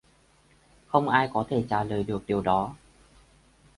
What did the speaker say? Không ai có thể trả lời được điều đó